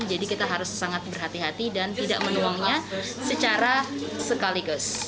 jadi kita harus sangat berhati hati dan tidak menuangnya secara sekaligus